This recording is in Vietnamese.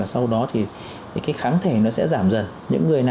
sau đó thì cái kháng thể nó sẽ giảm dần